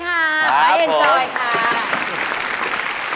ครับผม